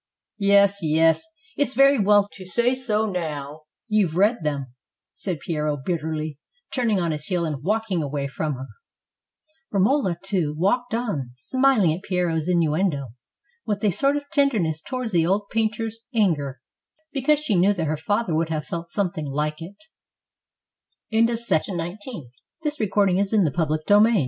"Yes, yes, it's very well to say so now you've read them," said Piero bitterly, turning on his heel and walk ing away from her. Romola, too, walked on, smiling at Piero's innuendo, with a sort of tenderness towards the old painter's anger, because she knew that her father would have felt some thing Uke